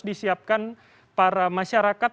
ada khusus yang harus disiapkan para masyarakat